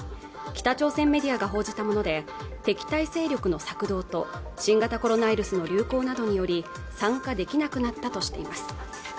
北朝鮮メディアが報じたもので敵対勢力の策動と新型コロナウイルスの流行などにより参加できなくなったとしています